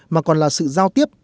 mà còn là sự giao tiếp